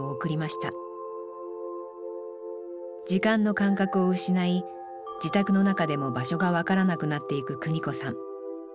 時間の感覚を失い自宅の中でも場所が分からなくなっていく邦子さん。